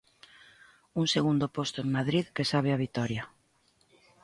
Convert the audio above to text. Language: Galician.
Un segundo posto en Madrid que sabe a vitoria.